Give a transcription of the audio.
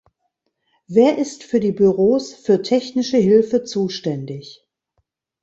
Wer ist für die Büros für technische Hilfe zuständig?